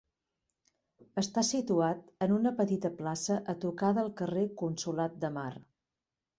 Està situat en una petita plaça a toca del carrer Consolat de Mar.